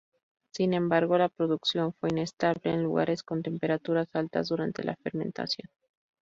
Sin embargo, la producción fue inestable en lugares con temperaturas altas durante la fermentación.